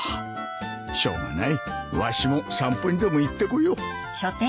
しょうがないわしも散歩にでも行ってこよう